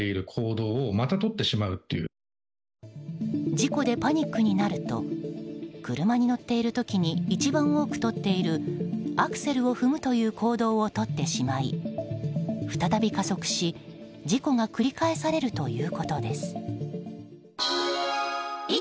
事故でパニックになると車に乗っている時に一番多く取っている、アクセルを踏むという行動を取ってしまい再び加速し、事故が繰り返されるということです。